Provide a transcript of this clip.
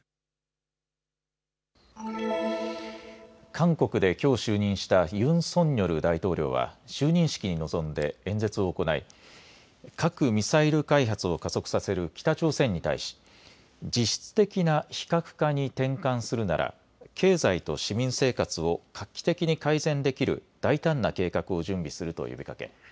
韓国できょう就任したユン・ソンニョル大統領は就任式に臨んで演説を行い核・ミサイル開発を加速させる北朝鮮に対し実質的な非核化に転換するなら経済と市民生活を画期的に改善できる大胆な計画を準備すると呼びかけ